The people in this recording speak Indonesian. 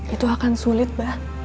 itu akan sulit bak